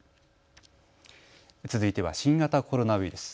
続いては新型コロナウイルス。